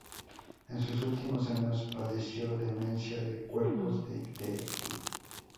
En sus últimos años padeció demencia de cuerpos de Lewy.